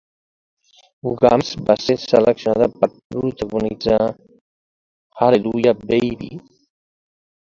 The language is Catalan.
Uggams va ser seleccionada per protagonitzar Hallelujah, Baby!